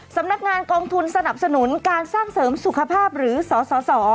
สำนักงานกองทุนสนับสนุนการสร้างเสริมสุขภาพหรือสส